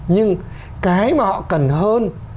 nhưng cái mà họ cần hơn